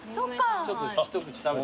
ちょっと一口食べて。